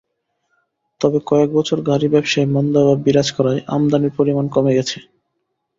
তবে কয়েক বছর গাড়ি ব্যবসায় মন্দাভাব বিরাজ করায় আমদানির পরিমাণ কমে গেছে।